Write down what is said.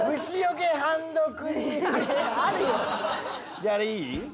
じゃああれいい？